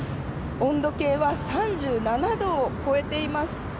温度計は３７度を超えています。